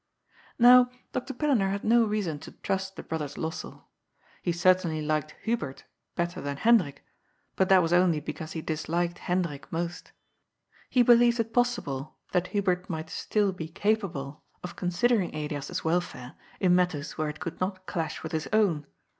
Now, Dr. Pillenaar had no reason to trust the brothers Lossell. He certainly liked Hubert better than Hendrik, but that was only because he disliked Hendrik most He be lieyed it possible that Hubert might still be capable of con sidering Elias's welfare in matters where it could not clash with his own.